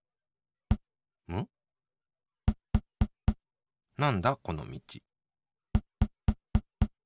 むっなんだこのみち。